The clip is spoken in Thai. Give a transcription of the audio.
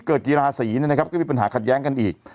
กีฬาสีนะครับก็มีปัญหาขัดแย้งกันอีก